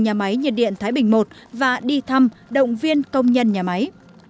nhà máy nhiệt điện thái bình i và đi thăm động viên công nhân nhà máy